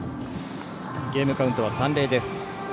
ゲームカウントは３−０。